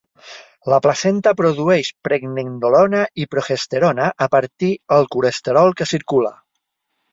La placenta produeix pregnenolona i progesterona a partir el colesterol que circula.